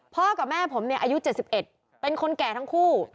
กับแม่ผมเนี่ยอายุ๗๑เป็นคนแก่ทั้งคู่